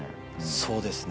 そうですね